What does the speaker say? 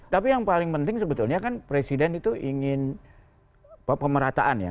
tapi yang paling penting sebetulnya kan presiden itu ingin pemerataan ya